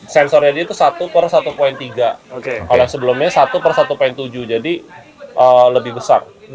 sensor nya dia tuh satu x satu tiga kalau yang sebelumnya satu x satu tujuh jadi lebih besar